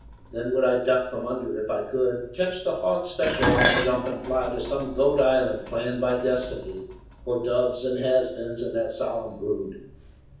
Then would I duck from under if I could, Catch the hog special on the jump and fly To some Goat Island planned by destiny For dubs and has beens and that solemn brood.